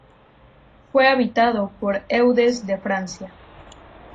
Fue habitado por Eudes de Francia.